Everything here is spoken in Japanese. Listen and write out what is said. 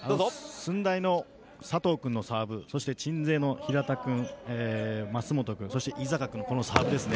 駿台の佐藤君のサーブそして鎮西の平田君舛本君そして井坂君のサーブですね。